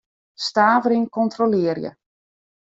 Stavering kontrolearje.